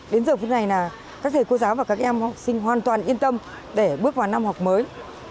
đến giờ phút này là các thầy cô giáo và các em học sinh hoàn toàn yên tâm để bước vào năm học mới